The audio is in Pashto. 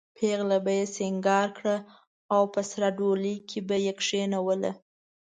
پېغله به یې سینګاره کړه او په سره ډولۍ کې به یې کېنوله.